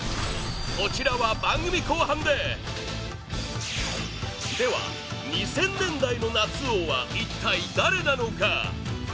こちらは番組後半ででは２０００年代の夏王は一体、誰なのか？